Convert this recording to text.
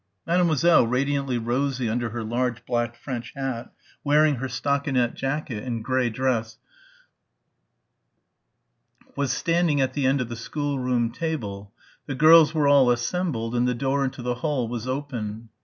Mademoiselle, radiantly rosy under her large black French hat, wearing her stockinette jacket and grey dress, was standing at the end of the schoolroom table the girls were all assembled and the door into the hall was open.